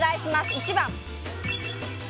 １番。